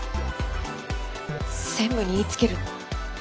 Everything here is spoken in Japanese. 専務に言いつけるの？